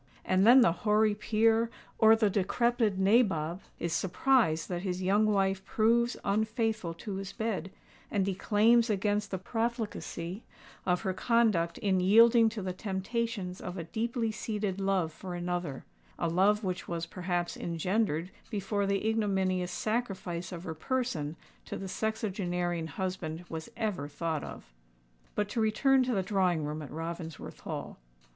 And then the hoary peer or the decrepid nabob is surprised that his young wife proves unfaithful to his bed, and declaims against the profligacy of her conduct in yielding to the temptations of a deeply seated love for another—a love which was perhaps engendered before the ignominious sacrifice of her person to the sexagenarian husband was ever thought of! But to return to the drawing room at Ravensworth Hall.